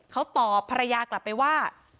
เขาตอบภรรยากลับไปว่า